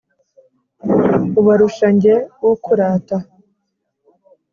Ubarusha njye ukurata !